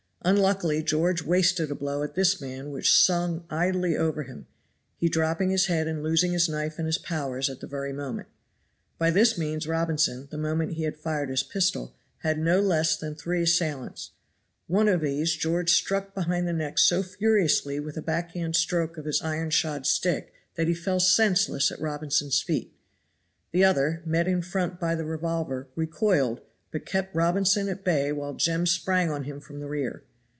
Unluckily George wasted a blow at this man which sung idly over him, he dropping his head and losing his knife and his powers at the very moment. By this means Robinson, the moment he had fired his pistol, had no less than three assailants; one of these George struck behind the neck so furiously with a back handed stroke of his iron shod stick that he fell senseless at Robinson's feet. The other, met in front by the revolver, recoiled, but kept Robinson at bay while Jem sprang on him from the rear.